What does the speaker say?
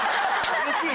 うれしい。